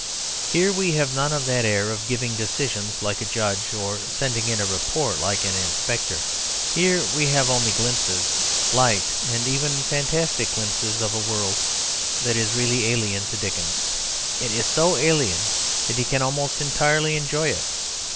Here we have none of that air of giving a decision like a judge or sending in a report like an inspector; here we have only glimpses, light and even fantastic glimpses, of a world that is really alien to Dickens. It is so alien that he can almost entirely enjoy it.